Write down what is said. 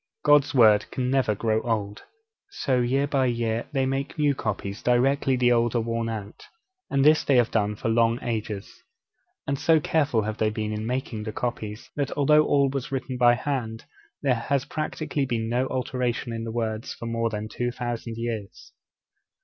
God's Word can never grow old.' So, year by year, they make new copies directly the old are worn out, and this they have done for long ages. And so careful have they been in making the copies, that although all was written by hand, there has practically been no alteration in the words for more than two thousand years.